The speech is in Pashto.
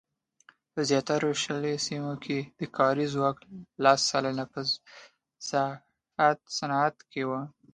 په زیاترو شلي سیمو کې د کاري ځواک لس سلنه په صنعت کې وو.